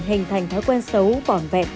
hình thành thói quen xấu bỏn vẹn